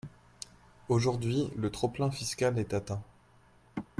Aujourd’hui, le trop-plein fiscal est atteint.